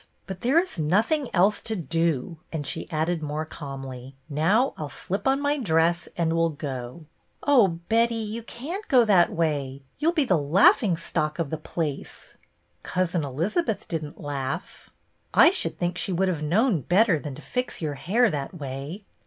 " But there is nothing else to do ;" and she added more calmly, " Now I 'll slip on my dress and we 'll go." " Oh, Betty, you can't go that way. You 'll be the laughing stock of the place." " Cousin Elizabeth did n't laugh." " I should think she would have known better than to fix your hair that way."